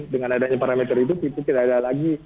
dengan adanya parameter itu kita tidak ada lagi